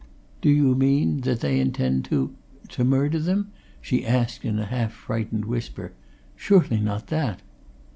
"Do you mean that they intend to to murder them?" she asked in a half frightened whisper. "Surely not that?"